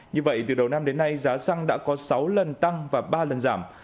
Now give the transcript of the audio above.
như vậy từ đầu năm đến nay giá xăng đã có sáu lần tăng và ba lần giảm